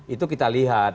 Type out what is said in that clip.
itu kita lihat